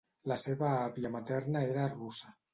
La seva àvia materna era russa.